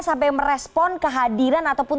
sampai merespon kehadiran ataupun